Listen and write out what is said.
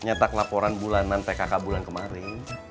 nyatak laporan bulanan pkk bulan kemarin